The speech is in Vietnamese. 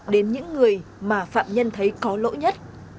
đến những người mà phạm nhân thấy có lỗi nhất